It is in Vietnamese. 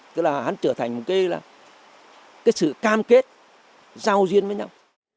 tức là án trở thành một cái sự cam kết giao duyên với nhau